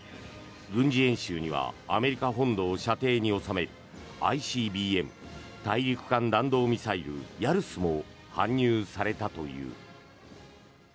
軍事演習にはアメリカ本土を射程に収めるＩＣＢＭ・大陸間弾道ミサイルヤルスも搬入されたという。